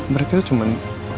mereka tuh cuman